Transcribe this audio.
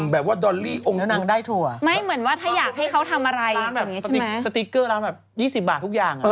แบบว่าดอลลี่โองทำเหมือนแบบสติ๊กเกอร์หลังแบบ๒๐บาททุกอย่าง